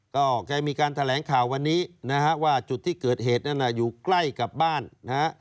ก็แกมีการแถลงข่าววันนี้นะฮะว่าจุดที่เกิดเหตุนั้นน่ะอยู่ใกล้กับบ้านนะฮะ